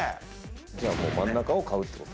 じゃあもう真ん中を買うって事。